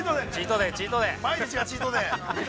◆毎日がチートデイ。